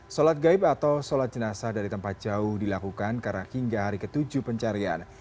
sholat gaib atau sholat jenazah dari tempat jauh dilakukan karena hingga hari ke tujuh pencarian